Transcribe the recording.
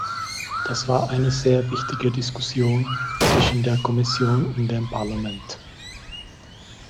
Das war eine sehr wichtige Diskussion zwischen der Kommission und dem Parlament.